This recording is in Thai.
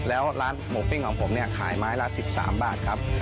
แล้วร้านหมูปิ้งของผมเนี่ยขายไม้ละ๑๓บาทครับ